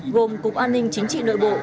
gồm cục an ninh chính trị nội bộ